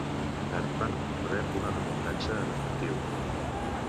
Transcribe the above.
Cartman rep una recompensa en efectiu.